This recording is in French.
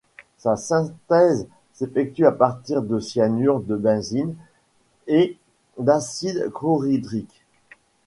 Sa synthèse s'effectue à partir de cyanure de benzyle et d'acide chlorhydrique.